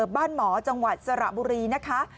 บ้านหมอจังหวัดสระบุรีนะคะ